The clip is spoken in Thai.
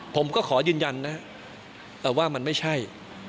ผมก็ขอยืนยันนะว่ามันไม่ใช่